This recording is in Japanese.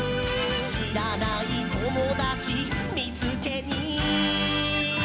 「しらないともだちみつけに」